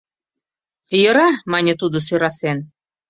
— Йӧра, — мане тудо, сӧрасен.